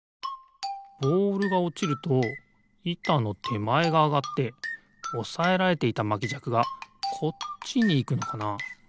ボールがおちるといたのてまえがあがっておさえられていたまきじゃくがこっちにいくのかな？